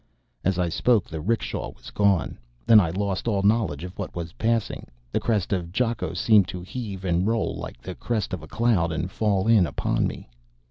As I spoke the 'rickshaw was gone. Then I lost all knowledge of what was passing. The crest of Jakko seemed to heave and roll like the crest of a cloud and fall in upon me.